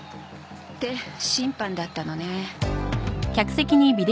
って審判だったのね